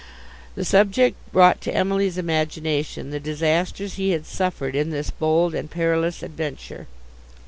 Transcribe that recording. The subject brought to Emily's imagination the disasters he had suffered in this bold and perilous adventure.